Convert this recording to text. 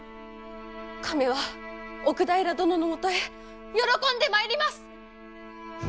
亀は奥平殿のもとへ喜んで参ります！